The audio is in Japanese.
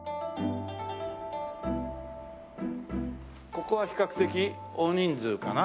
ここは比較的大人数かな？